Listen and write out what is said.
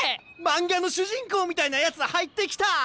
漫画の主人公みたいなやつ入ってきた！